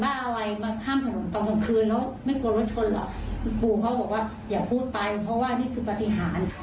ปู่เขาบอกว่าอย่าพูดไปเพราะว่านี่คือปฏิหาร